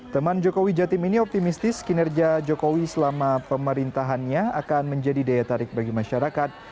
teman jokowi jatim ini optimistis kinerja jokowi selama pemerintahannya akan menjadi daya tarik bagi masyarakat